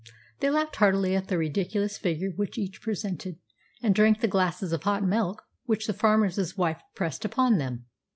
They laughed heartily at the ridiculous figure which each presented, and drank the glasses of hot milk which the farmer's wife pressed upon them.